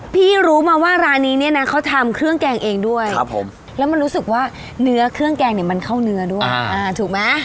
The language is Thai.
รู้มาว่าร้านนี้เนี่ยนะเขาทำเครื่องแกงเองด้วยครับผมแล้วมันรู้สึกว่าเนื้อเครื่องแกงเนี่ยมันเข้าเนื้อด้วยถูกไหม